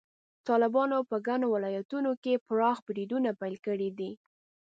طالبانو په ګڼو ولایتونو کې پراخ بریدونه پیل کړي دي.